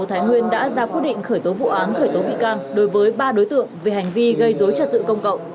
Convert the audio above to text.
thái nguyên đã ra quyết định khởi tố vụ án khởi tố bị can đối với ba đối tượng về hành vi gây dối trật tự công cộng